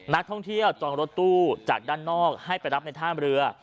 นักท่องเที่ยวจองรถตู้จากด้านนอกให้ไปรับในท่ามเรือ